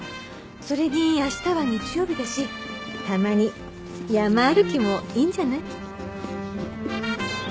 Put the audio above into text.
それに明日は日曜日だしたまに山歩きもいいんじゃない？